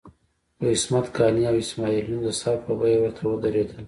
خو عصمت قانع او اسماعیل یون په سر په بیه ورته ودرېدل.